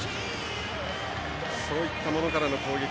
そういったものからの攻撃。